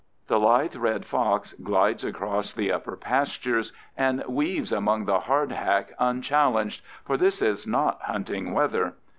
The lithe red fox glides across the upper pastures and weaves among the hardhack unchallenged, for this is not hunting weather.